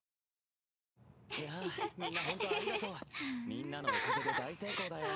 みんなのおかげで大成功だよ